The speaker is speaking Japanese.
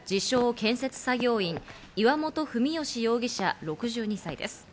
建設作業員、岩本文宜容疑者、６２歳です。